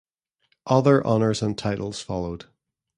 Other honors and titles followed.